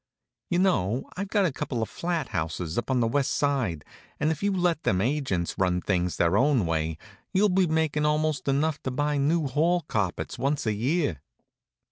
You know I've got a couple of flat houses up on the West side, and if you let them agents run things their own way you'll be makin' almost enough to buy new hall carpets once a year.